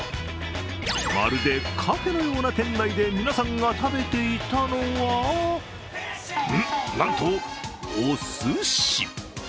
まるでカフェのような店内で皆さんが食べていたのはなんと、おすし。